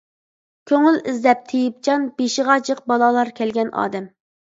كۆڭۈل ئىزدەپ تېيىپجان بېشىغا جىق بالالار كەلگەن ئادەم.